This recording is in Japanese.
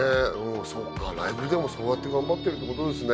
そっかＬＩＮＥでもそうやって頑張ってるってことですね